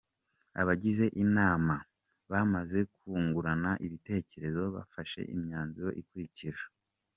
Abagize inama bamaze kungurana ibitekerezo bafashe imyanzuro ikurikira: